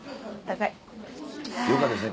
よかったですね